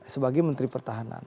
sebagai menteri pertahanan